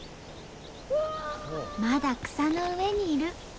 まだ草の上にいる！